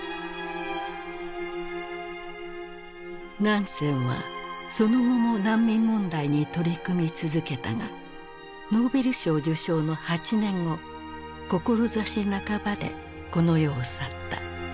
ナンセンはその後も難民問題に取り組み続けたがノーベル賞受賞の８年後志半ばでこの世を去った。